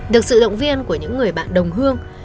được sự động viên của những người bạn đồng hương